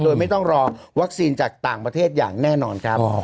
โดยไม่ต้องรอวัคซีนจากต่างประเทศอย่างแน่นอนครับ